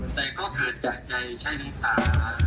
แต่ก็เผลอจากใจใช่งสา